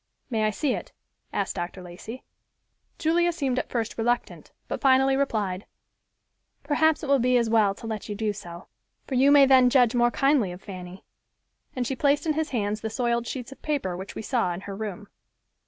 "May I see it?" asked Dr. Lacey. Julia seemed at first reluctant, but finally replied, "Perhaps it will be as well to let you do so, for you may then judge more kindly of Fanny"; and she placed in his hands the soiled sheets of paper which we saw in her room.